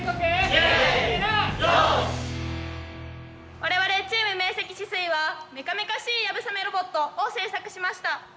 我々チーム「明石止水」はメカメカしい流鏑馬ロボットを製作しました。